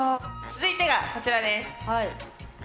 続いてがこちらです。